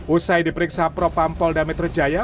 usai diperiksa propam pol damit rejaya